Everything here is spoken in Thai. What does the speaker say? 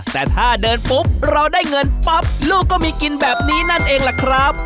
แต่ถ้าเดินปุ๊บเราได้เงินปั๊บลูกก็มีกินแบบนี้นั่นเองล่ะครับ